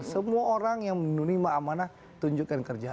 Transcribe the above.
semua orang yang menunjukan kerja